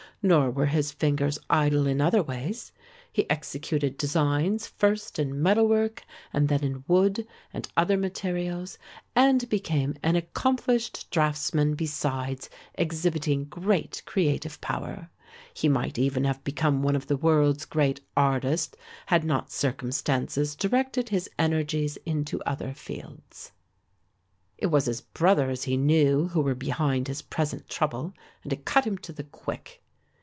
Nor were his fingers idle in other ways; he executed designs first in metalwork and then in wood and other materials and became an accomplished draughtsman besides exhibiting great creative power. He might even have become one of the world's great artists had not circumstances directed his energies into other fields. The great Scottish reformer and martyr. It was his brothers he knew who were behind his present trouble and it cut him to the quick.